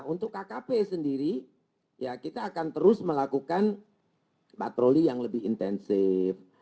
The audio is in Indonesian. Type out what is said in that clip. untuk kkp sendiri ya kita akan terus melakukan patroli yang lebih intensif